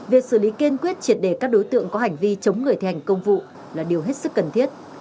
việc xử lý kiên quyết triệt đề các đối tượng có hành vi chống người thi hành công vụ là điều hết sức cần thiết